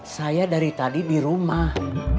saya dari tadi di rumah